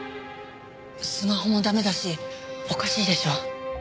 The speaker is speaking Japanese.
スマホも駄目だしおかしいでしょ？